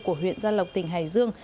của huyện gia lộc tỉnh hải dương